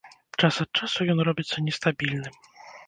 Час ад часу ён робіцца нестабільным.